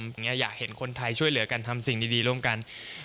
อยากเห็นคนไทยช่วยเหลือกันทำสิ่งดีร่วมกัน